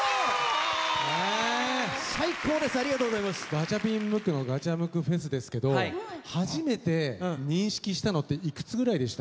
ガチャピン・ムックのガチャムクフェスですけど初めて認識したのって幾つぐらいでした？